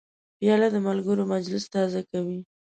پیاله د ملګرو مجلس تازه کوي.